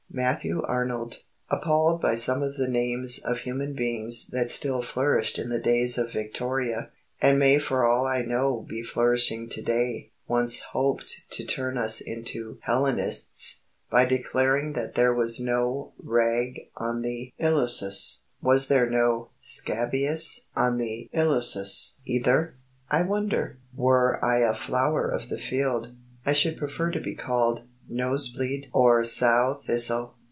Matthew Arnold, appalled by some of the names of human beings that still flourished in the days of Victoria, and may for all I know be flourishing to day, once hoped to turn us into Hellenists by declaring that there was "no Wragg on the Ilissus." Was there no "scabious" on the Ilissus either, I wonder? Were I a flower of the field, I should prefer to be called "nose bleed" or "sow thistle."